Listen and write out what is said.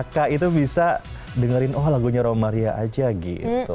kakak itu bisa dengerin oh lagunya romaria aja gitu